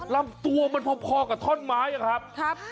ลำตัวมันพอกับท่อนไม้อะครับ